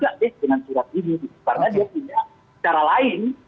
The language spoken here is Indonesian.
karena dia punya cara lain